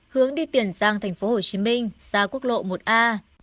hướng đi tiền sang tp hcm xa quốc lộ một a